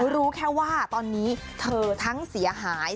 รู้แค่ว่าตอนนี้เธอทั้งเสียหาย